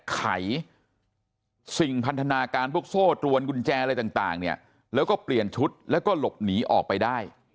ไขสิ่งพันธนาการพวกโซ่ตรวนกุญแจอะไรต่างเนี่ยแล้วก็เปลี่ยนชุดแล้วก็หลบหนีออกไปได้